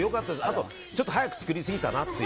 あとちょっと早く作りすぎたなって。